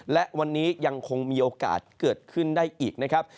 และวันนี้ยังคงมีโอกาสเกิดขึ้นได้อีกนะครับ